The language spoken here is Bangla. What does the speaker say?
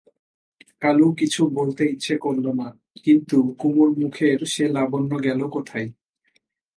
কালু কিছু বলতে ইচ্ছে করল না, কিন্তু কুমুর মুখের সে লাবণ্য গেল কোথায়?